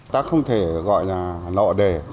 ta không thể gọi là nọ đề